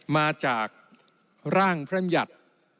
มาจากร่างพระมหยัติ